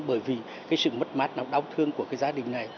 bởi vì sự mất mát đau thương của gia đình này